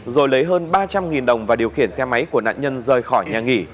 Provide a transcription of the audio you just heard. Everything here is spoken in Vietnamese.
rồi lấy hơn ba trăm linh đồng và điều khiển xe máy của nạn nhân rời khỏi nhà nghỉ